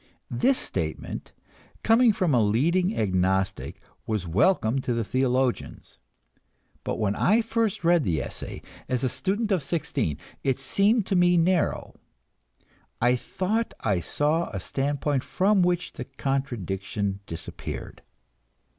This statement, coming from a leading agnostic, was welcome to the theologians. But when I first read the essay, as a student of sixteen, it seemed to me narrow; I thought I saw a standpoint from which the contradiction disappeared.